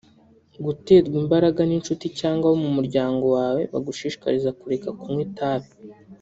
Guterwa imbaraga n’inshuti cyangwa abo mu muryango wawe bagushishikariza kureka kunywa itabi